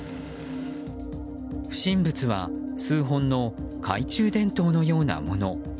不審物は数本の懐中電灯のようなもの。